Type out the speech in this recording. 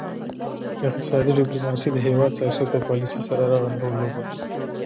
اقتصادي ډیپلوماسي د هیواد سیاست او پالیسي سره رغند رول لوبوي